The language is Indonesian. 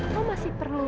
lo masih perlu cowok itu